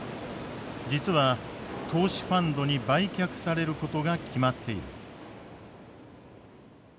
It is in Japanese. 実は投資ファンドに売却されることが決まっている。